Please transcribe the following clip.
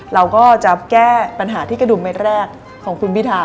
เราก็จะแก้ปัญหาที่กระดุมเม็ดแรกของคุณพิธา